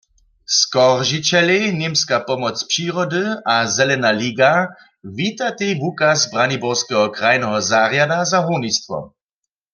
Skoržićelej Němska pomoc přirody a Zelena liga witatej wukaz braniborskeho krajneho zarjada za hórnistwo.